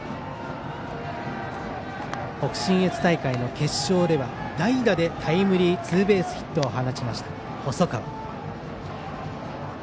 北信越大会の決勝では代打でタイムリーツーベースヒットを放ちました、細川。